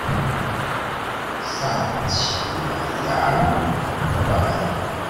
撒奇萊雅語、噶瑪蘭語